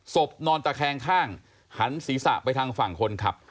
นอนตะแคงข้างหันศีรษะไปทางฝั่งคนขับ